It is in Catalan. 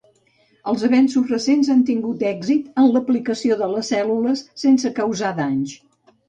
Els avenços recents han tingut èxit en l'aplicació de les cèl·lules sense causar danys.